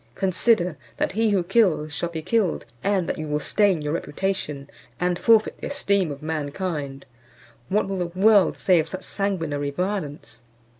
Consider, that he who kills shall be killed, and that you will stain your reputation, and forfeit the esteem of mankind. What will the world say of such sanguinary violence?"